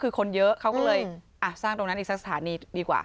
คือคนเยอะเขาก็เลยสร้างตรงนั้นอีกสักสถานีดีกว่า